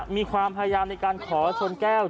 มีความพยายามในการขอชนแก้ว